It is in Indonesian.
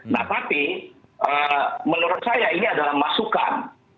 nah tapi menurut saya ini adalah masukan